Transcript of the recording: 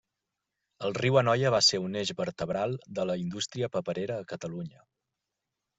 El riu Anoia va ser un eix vertebral de la indústria paperera a Catalunya.